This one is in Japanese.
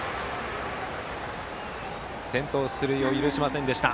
先頭の出塁を許しませんでした。